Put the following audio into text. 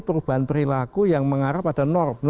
perubahan perilaku yang mengarah pada nor